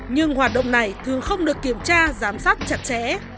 nhưng hoạt động này thường không được kiểm tra giám sát chặt chẽ